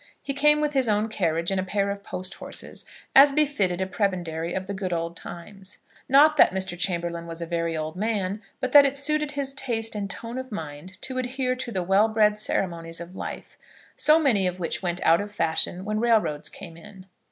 He came with his own carriage and a pair of post horses, as befitted a prebendary of the good old times. Not that Mr. Chamberlaine was a very old man, but that it suited his tastes and tone of mind to adhere to the well bred ceremonies of life, so many of which went out of fashion when railroads came in.